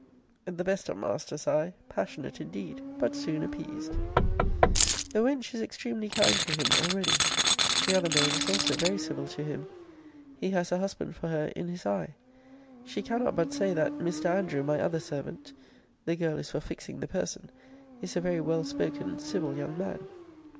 'The best of masters I passionate, indeed; but soon appeased.' The wench is extremely kind to him already. The other maid is also very civil to him. He has a husband for her in his eye. She cannot but say, that Mr. Andrew, my other servant [the girl is for fixing the person] is a very well spoken civil young man.